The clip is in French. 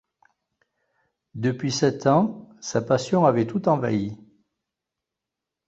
Depuis sept ans, sa passion avait tout envahi.